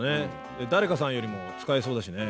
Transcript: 誰かさんよりも使えそうだしね。